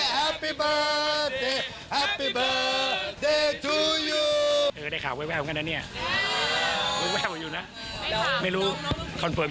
แฮปปี้เบิร์ตเดย์แฮปปี้เบิร์ตเดย์